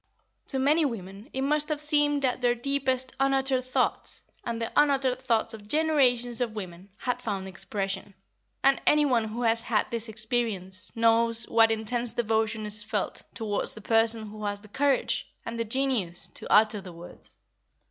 To many women it must have seemed that their deepest unuttered thoughts and the unuttered thoughts of generations of women had found expression, and anyone who has had this experience, knows what intense devotion is felt towards the person who has the courage and the genius to utter the words.